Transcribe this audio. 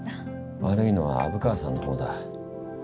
悪いのは虻川さんのほうだ。